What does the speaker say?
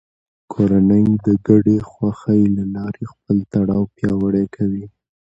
کورنۍ د ګډې خوښۍ له لارې خپل تړاو پیاوړی کوي